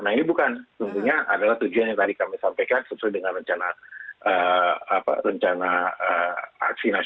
nah ini bukan tentunya adalah tujuan yang tadi kami sampaikan sesuai dengan rencana aksi